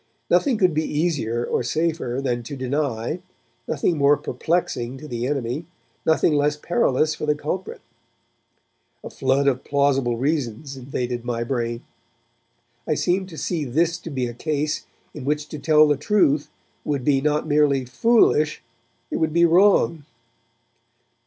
Nothing could be easier or safer than to deny, nothing more perplexing to the enemy, nothing less perilous for the culprit. A flood of plausible reasons invaded my brain; I seemed to see this to be a case in which to tell the truth would be not merely foolish, it would be wrong.